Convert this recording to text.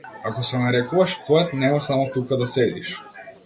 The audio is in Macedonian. Ако се нарекуваш поет, немој само тука да седиш.